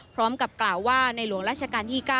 พร้อมกับกล่าวว่าในหลวงราชการที่๙